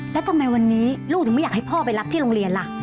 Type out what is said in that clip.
แล้วทำไมวันนี้ลูกถึงไม่อยากให้พ่อไปรับที่โรงเรียนล่ะ